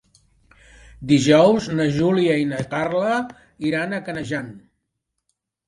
Dijous na Júlia i na Carla iran a Canejan.